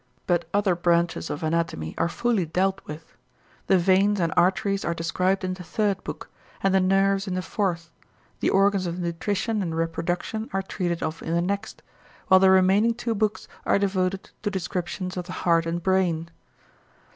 But other branches of anatomy are fully dealt with. The veins and arteries are described in the third book, and the nerves in the fourth; the organs of nutrition and reproduction are treated of in the next; while the remaining two books are devoted to descriptions of the heart and brain.